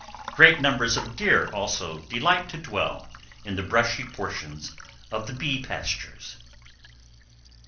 Great numbers of deer also delight to dwell in the brushy portions of the bee pastures.